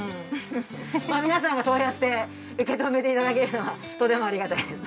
皆さんがそうやって受け止めて頂けるのはとてもありがたいです。